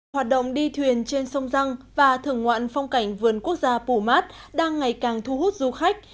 hoạt động đi thuyền trên sông răng và thưởng ngoạn phong cảnh vườn quốc gia pù mát đang ngày càng thu hút du khách